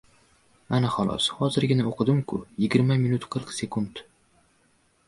— Ana xolos, hozirgina o‘qidim-ku. Yigirma minut, qirq sekund!